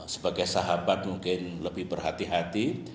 sebagai sahabat mungkin lebih berhati hati